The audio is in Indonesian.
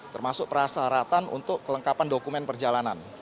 termasuk persyaratan untuk kelengkapan dokumen perjalanan